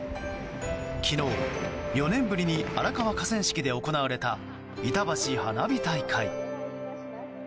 昨日、４年ぶりに荒川河川敷で行われたいたばし花火大会。